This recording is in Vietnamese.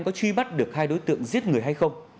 có truy bắt được hai đối tượng giết người hay không